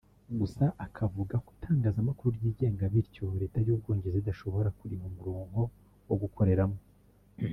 gusa akavuga ko itangazamakuru ryigenga bityo Leta y’u Bwongereza idashobora kuriha umurongo wo gukoreramo